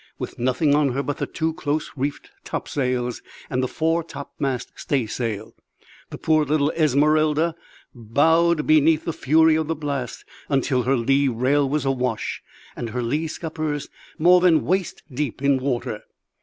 With nothing on her but the two close reefed topsails and the fore topmast staysail, the poor little Esmeralda bowed beneath the fury of the blast until her lee rail was awash and her lee scuppers more than waist deep in water.